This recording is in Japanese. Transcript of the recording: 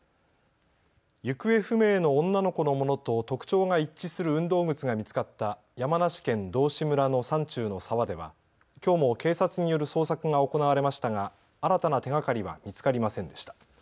行方不明の女の子のものと特徴が一致する運動靴が見つかった山梨県道志村の山中の沢ではきょうも警察による捜索が行われましたが新たな手がかりは見つかりませんでした。